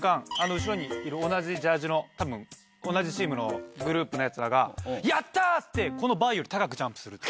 後ろにいる同じジャージーの多分同じチームのヤツらが「やった！」ってこのバーより高くジャンプする。